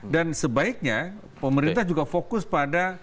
dan sebaiknya pemerintah juga fokus pada